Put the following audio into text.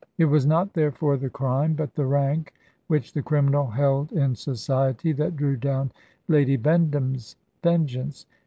It was not, therefore, the crime, but the rank which the criminal held in society, that drew down Lady Bendham's vengeance.